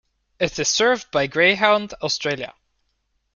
It is served by Greyhound Australia.